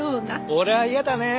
俺は嫌だね